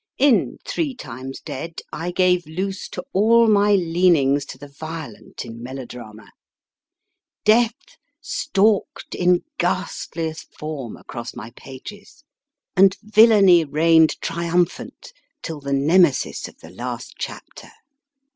In Three Times Dead I gave loose to all my leanings to the violent in melo drama. Death stalked in ghastliest form across my pages : and villainy reigned triumphant till the Nemesis of the last chapter.